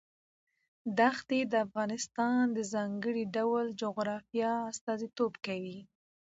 دښتې د افغانستان د ځانګړي ډول جغرافیه استازیتوب کوي.